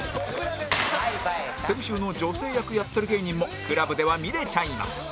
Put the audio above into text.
先週の女性役やってる芸人も ＣＬＵＢ では見れちゃいます